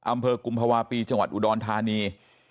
อำเภอกุมภาวะปีจังหวัดอุดรธานี